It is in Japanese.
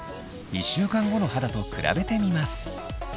１週間後の肌と比べてみます。